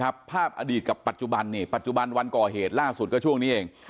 ครับทุกผู้ชมครับภาพอดีตกับปัจจุบันปัจจุบันวันก่อเหตุล่าสุดก็ช่วงนี้เอง